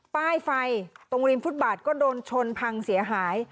ป้ายไฟตรงริมฟุตบาทก็โดนชนพังเสียหาย